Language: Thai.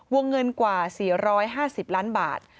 วงเงินกว่า๔๕๐ล้านบาท